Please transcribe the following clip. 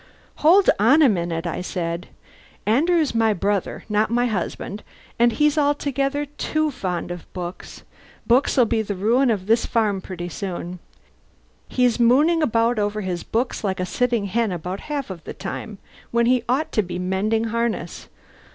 "Hold on a minute!" I said. "Andrew's my brother, not my husband, and he's altogether too fond of books. Books'll be the ruin of this farm pretty soon. He's mooning about over his books like a sitting hen about half the time, when he ought to be mending harness.